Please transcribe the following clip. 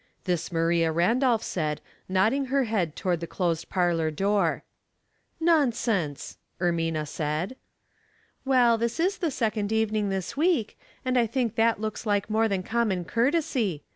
This Maria Randolph said, nodding her head toward the closed parlor door. *' Nonsense !" Ermina said. *' Well, this is the second evening this week, and I think that looks like more than common courtesy.